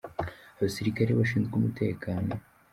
abasirikare bashinzwe umutekano.